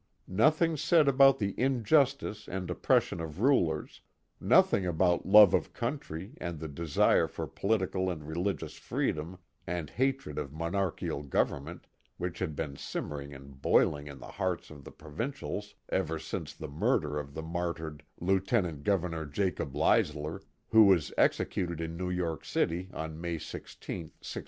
Nothing said about the injustice and oppression of rulers, nothing about love of coun try and the desire for political and religious freedom and hatred of monarchical government which had been simmering and boiling in the hearts of the provincials ever since the mur der of the martyred Lieutenant Governor Jacob Leisler, who was executed in New York City on May i6, 1691.